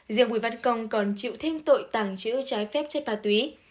riêng bùi văn công còn chịu thêm tội tàng trữ trái phép chết bà túy